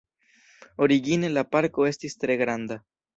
Origine la parko estis tre granda.